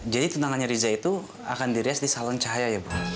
jadi tunangannya riza itu akan di rias di salon cahaya ya bu